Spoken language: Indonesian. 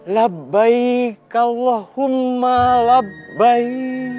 labaik allahumma labbaik